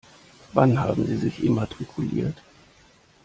Wann haben Sie sich immatrikuliert?